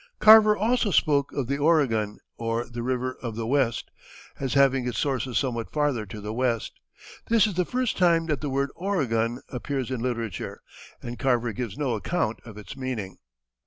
Carver also spoke of "the Oregon, or the River of the West," as having its sources somewhat farther to the west. This is the first time that the word Oregon appears in literature, and Carver gives no account of its meaning.